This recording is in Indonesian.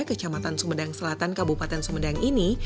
kecamatan sumedang selatan kabupaten sumedang ini